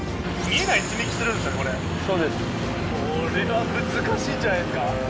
そうです・これは難しいんじゃないですか？